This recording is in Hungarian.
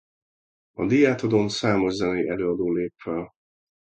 A díjátadón számos zenei előadó lép fel.